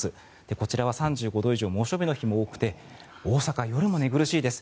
こちらは３５度以上猛暑日の日も多くて大阪、夜も寝苦しいです。